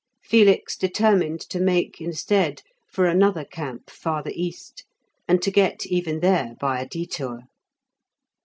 Felix determined to make, instead, for another camp farther east, and to get even there by a detour.